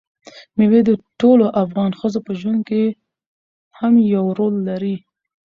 مېوې د ټولو افغان ښځو په ژوند کې هم یو رول لري.